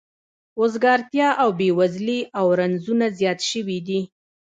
وزګارتیا او بې وزلي او رنځونه زیات شوي دي